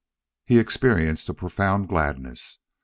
He experienced a profound gladness.